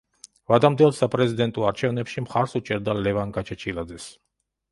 ვადამდელ საპრეზიდენტო არჩევნებში მხარს უჭერდა ლევან გაჩეჩილაძეს.